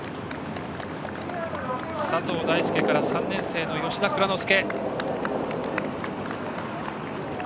佐藤大介から３年生の吉田蔵之介。